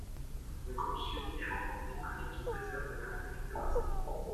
Le groupe Sud est remporté par l'équipe réserve de l'Olympique de Marseille.